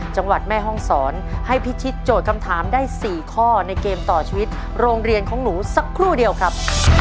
จังหวัดแม่ห้องศรให้พิชิตโจทย์คำถามได้๔ข้อในเกมต่อชีวิตโรงเรียนของหนูสักครู่เดียวครับ